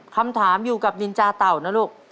คำถามอยู่กับนินจาเต่านะลูก